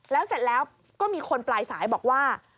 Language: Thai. แล้วเสร็จแล้วก็มีคนปลายสายบอกว่า